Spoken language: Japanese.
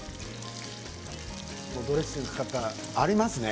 ドレッシングかかったものありますよね